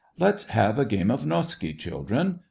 " Let's have a game of noski^^ children